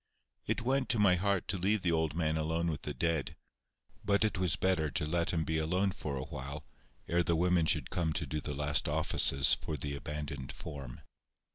It went to my heart to leave the old man alone with the dead; but it was better to let him be alone for a while, ere the women should come to do the last offices for the abandoned form.